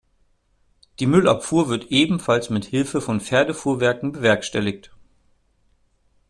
Die Müllabfuhr wird ebenfalls mit Hilfe von Pferdefuhrwerken bewerkstelligt.